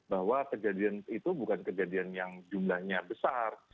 bahwa kejadian itu bukan kejadian yang jumlahnya besar